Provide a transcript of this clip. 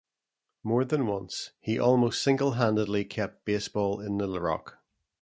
More than once, he almost single-handedly kept baseball in Little Rock.